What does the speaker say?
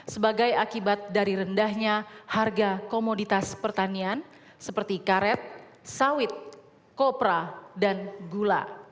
sebagai akibat dari rendahnya harga komoditas pertanian seperti karet sawit kopra dan gula